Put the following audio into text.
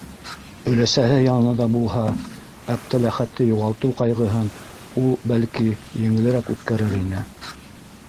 Өләсәһе янында булһа, Әптеләхәтте юғалтыу ҡайғыһын ул, бәлки, еңелерәк үткәрер ине.